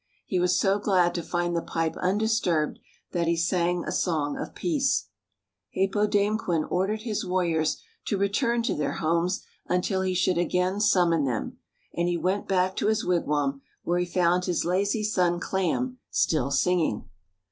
He was so glad to find the pipe undisturbed, that he sang a song of peace. Hāpōdāmquen ordered his warriors to return to their homes until he should again summon them; and he went back to his wigwam, where he found his lazy son, Clam, still singing.